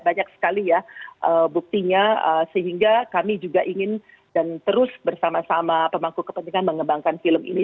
banyak sekali ya buktinya sehingga kami juga ingin dan terus bersama sama pemangku kepentingan mengembangkan film ini